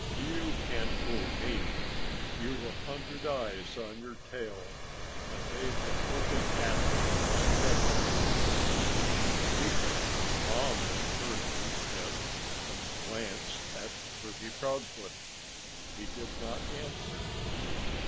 "You can't fool me. You've a hundred eyes on your tail. And they've been looking at me steadily." The peacock calmly turned his head and glanced at Turkey Proudfoot. He did not answer.